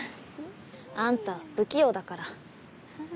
あんたは不器用だから。